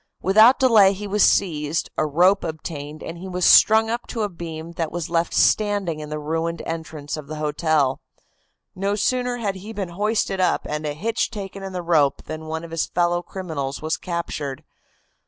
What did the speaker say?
Without delay he was seized, a rope obtained, and he was strung up to a beam that was left standing in the ruined entrance of the hotel. No sooner had he been hoisted up and a hitch taken in the rope than one of his fellow criminals was captured.